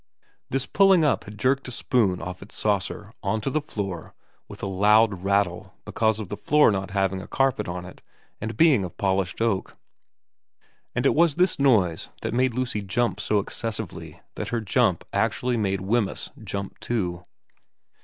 This pulling up had jerked a spoon off its saucer onto the floor with a loud rattle because of the floor not having a carpet on it and being of polished oak, and it was this noise that made Lucy jump so excessively that her jump actually made Wemyss jump too.